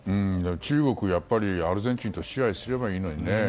中国はアルゼンチンと試合をすればいいのにね。